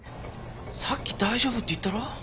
さっき大丈夫って言ったろ？